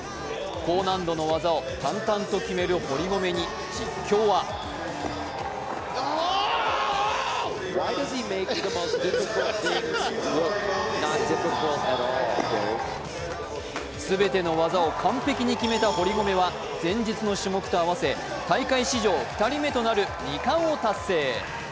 高難度の技を淡々と決める堀米に実況は全ての技を完璧に決めた堀米は前日の種目と合わせ大会史上２人目となる２冠を達成。